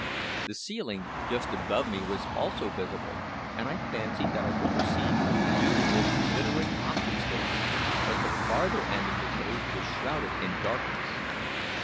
The ceiling just above me was also visible, and I fancied that I could perceive beautiful, glittering objects there; but the farther end of the cave was shrouded in darkness.